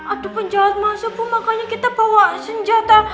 ada penjahat masuk pun makanya kita bawa senjata